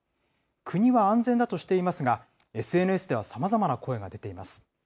国は安全だとしていますが、ＳＮＳではさまざまな声が出ています。